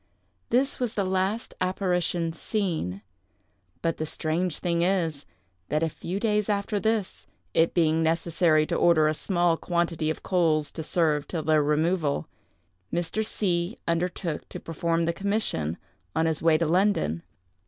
This was the last apparition seen. But the strange thing is, that a few days after this, it being necessary to order in a small quantity of coals to serve till their removal, Mr. C—— undertook to perform the commission on his way to London.